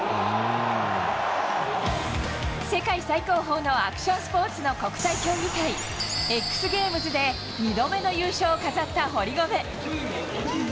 世界最高峰のアクションスポーツの国際競技会、Ｘゲームズで２度目の優勝を飾った堀米。